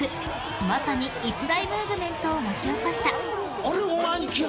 まさに一大ムーブメントを巻き起こした。